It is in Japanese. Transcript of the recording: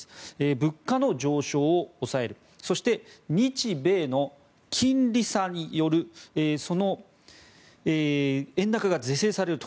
物価の上昇を抑えるそして、日米の金利差による円安が是正されると。